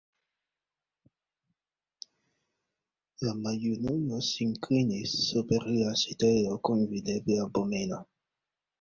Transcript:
La maljunulo sin klinis super la sitelo kun videbla abomeno.